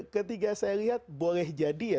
ketika saya lihat boleh jadi ya